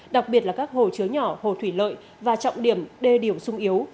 đặc biệt là các hồ chứa nhỏ hồ thủy lợi và trọng điểm đê điểm sung yếu